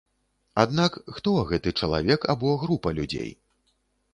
Аднак хто гэты чалавек або група людзей?